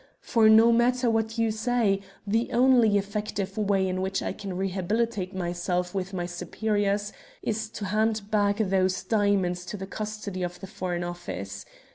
For, no matter what you say, the only effective way in which I can rehabilitate myself with my superiors is to hand back those diamonds to the custody of the Foreign Office.